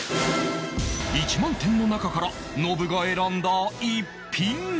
１万点の中からノブが選んだ１品は